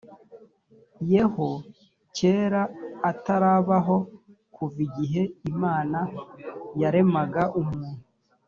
yeho keraa utarabaho kuva igihe imana yaremaga umuntu